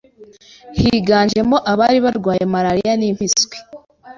higanjemo abari barwaye malaria n’impiswi